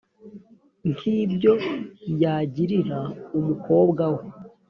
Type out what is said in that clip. nk ibyo yagirira umukobwa we